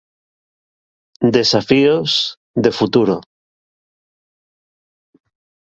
Desafíos de futuro